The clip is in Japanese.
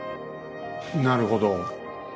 なるほど。